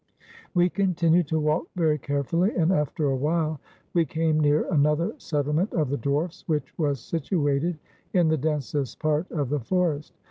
We continued to walk very carefully, and after a while we came near another settlement of the dwarfs, which was situated in the densest part of the forest.